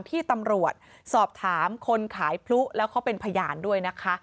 ที่ตำรวจสอบถามคนขายพลุแล้วเขาเป็นพยานด้วยนะคะ